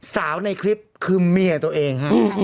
สาวในคลิปคือเมียตัวเองครับ